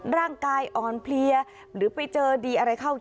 ร่างกายอ่อนเพลียหรือไปเจอดีอะไรเข้า